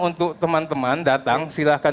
untuk teman teman datang silahkan